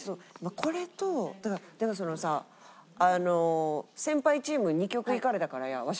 これとだからそのさ先輩チームに２曲いかれたからわし